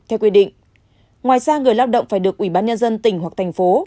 theo quy định ngoài ra người lao động phải được ubnd tỉnh hoặc thành phố